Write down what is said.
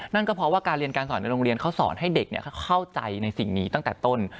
นั่นก็เพราะว่าการเรียนการสอนในโรงเรียนเขาสอนให้เด็กเข้าใจในสิ่งนี้ตั้งแต่ต้น